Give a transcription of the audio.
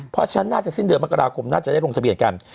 เพราะฉะนั้นน่าจะสิ้นเดือนมกราคมน่าจะได้ลงทะเบียนกัน